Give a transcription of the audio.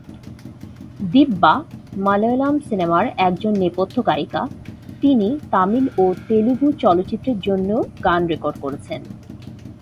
দিব্যা মালয়ালম সিনেমার একজন নেপথ্য গায়িকা, তিনি তামিল ও তেলুগু চলচ্চিত্রের জন্যও গান রেকর্ড করেছেন।